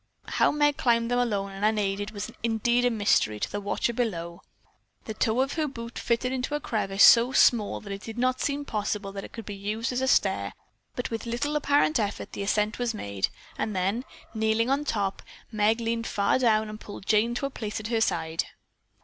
How Meg climbed them alone and unaided was indeed a mystery to the watcher below. The toe of her boot fitted into a crevice so small that it did not seem possible that it could be used as a stair, but with little apparent effort the ascent was made, and then, kneeling on the top, Meg leaned far down and pulled Jane to a place at her side.